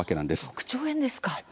６兆円ですか。